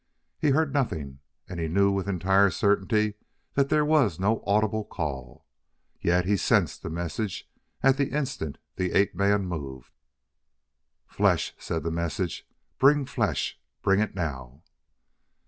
He heard nothing, and he knew with entire certainty that there was no audible call, yet he sensed the message at the instant the ape man moved. "Flesh!" said the message. "Bring flesh! Bring it now!"